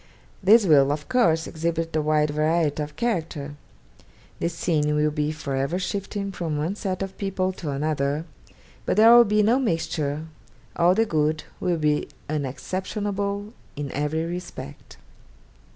This will of course exhibit a wide variety of character. The scene will be for ever shifting from one set of people to another, but there will be no mixture, all the good will be unexceptionable in every respect.